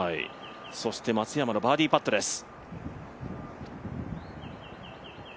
そして松山のバーディーパットです。